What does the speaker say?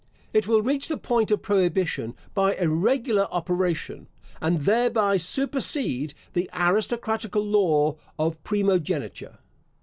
It will reach the point of prohibition by a regular operation, and thereby supersede the aristocratical law of primogeniture.